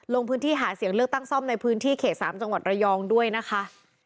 ลงพื้นที่หาเสียงเลือกตั้งซ่อมในพื้นที่เขต๓จังหวัดระยองด้วยนะคะ